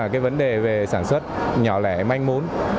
cái vấn đề về sản xuất nhỏ lẻ manh mốn